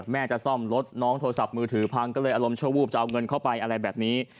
แม่จะซ่อมรถน้องโทรศัพท์มือถือพังก็เลยอารมณ์ชั่ววูบจะเอาเงินเข้าไปอะไรแบบนี้